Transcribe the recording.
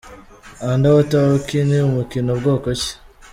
Underwater hockey ni umukino bwoko ki?.